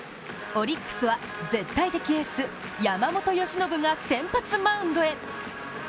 オリックスは絶対的エース・山本由伸が先発マウンドへ。